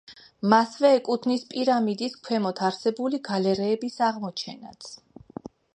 მასვე ეკუთვნის პირამიდის ქვემოთ არსებული გალერეების აღმოჩენაც.